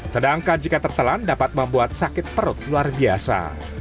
sedangkan jika tertelan dapat membuat sakit perut luar biasa